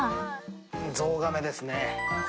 ゾウガメですね。